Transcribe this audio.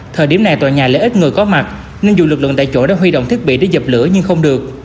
thời điểm này tòa nhà lại ít người có mặt nên dù lực lượng tại chỗ đã huy động thiết bị để dập lửa nhưng không được